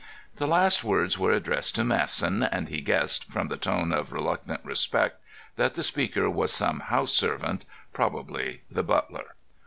The last words were addressed to Masson, and he guessed, from the tone of reluctant respect, that the speaker was some house servant. Probably the butler.